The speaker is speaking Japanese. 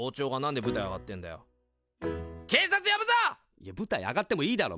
いや舞台上がってもいいだろ！